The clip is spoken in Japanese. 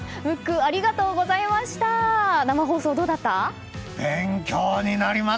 ありがとうございます。